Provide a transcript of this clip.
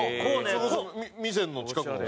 「それこそ味仙の近くの？」